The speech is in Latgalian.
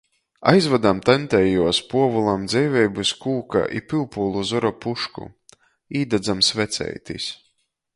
Aizvadam taņtei i juos Puovulam dzeiveibys kūka i pyupūlu zoru pušku, īdadzam sveceitis.